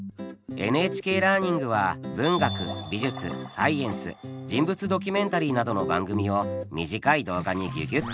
「ＮＨＫラーニング」は文学美術サイエンス人物ドキュメンタリーなどの番組を短い動画にギュギュッと凝縮。